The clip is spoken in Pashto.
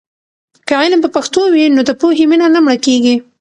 که علم په پښتو وي، نو د پوهې مینه نه مړه کېږي.